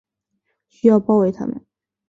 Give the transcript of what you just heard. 需要包围他们